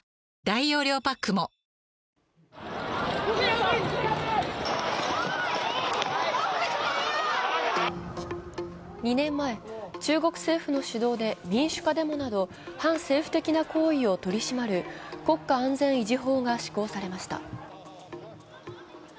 ヤマト運輸２年前、中国政府の主導で民主化デモなど反政府的な行為を取り締まる国家安全維持法が施行されました。